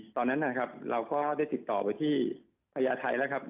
ตอนนั้นนะครับเราก็ได้ติดต่อไปที่พญาไทยแล้วครับ